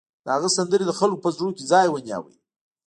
د هغه سندرې د خلکو په زړونو کې ځای ونیو